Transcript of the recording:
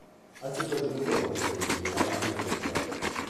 Anche i suoi genitori furono determinanti nei suoi generi.